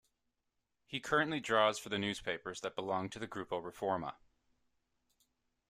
He currently draws for the newspapers that belong to the Grupo Reforma.